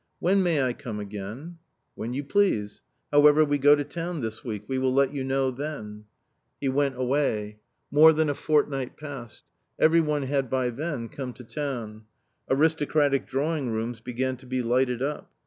" When may I come again ?"" When you please. However, we go to town this week; we will let you know thea" He went away. More than a fortnight passed. Every one had by then come to town. Aristocratic drawing rooms began to be lighted up.